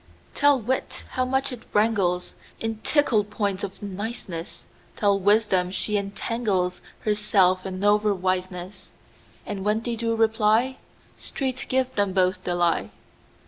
Tell wit how much it wranglesIn tickle points of niceness; Tell wisdom she entanglesHerself in over wiseness:And when they do reply, Straight give them both the lie.